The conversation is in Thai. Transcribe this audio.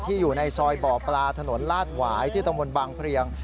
อยู่ในซอยบ่อปลาถนนลาดหวายที่ตะมนต์บางเพลียง